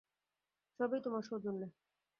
সব-ই তোমার সৌজন্যে।